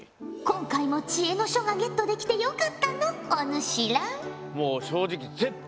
今回も知恵の書がゲットできてよかったのおぬしら。